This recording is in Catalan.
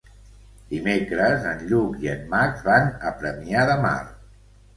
Dimecres en Lluc i en Max van a Premià de Mar.